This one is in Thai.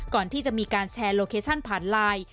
ก่อนที่จะมีการแชร์โลเคชั่นผ่านไลน์